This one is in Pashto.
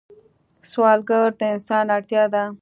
سوالګر د انسان اړتیا ده